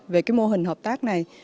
về cái mô hình hợp tác này